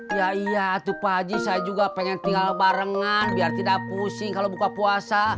iya iya itu pagi saya juga pengen tinggal barengan biar tidak pusing kalau buka puasa